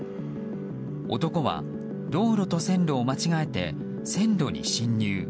男は道路と線路を間違えて線路に進入。